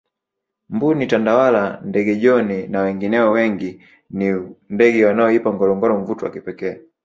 mbuni tandawala ndege John na wengineo wengi ni ndege wanaoipa ngorongoro mvuto wa kipekee